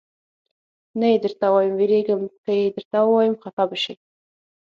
نه یې درته وایم، وېرېږم که یې درته ووایم خفه به شې.